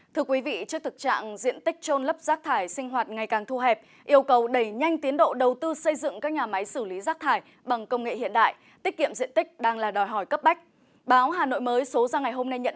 thưa quý vị trước thực trạng diện tích trôn lấp rác thải sinh hoạt ngày càng thu hẹp yêu cầu đẩy nhanh tiến độ đầu tư xây dựng các nhà máy xử lý rác thải bằng công nghệ hiện đại tiết kiệm diện tích đang là đòi hỏi cấp bách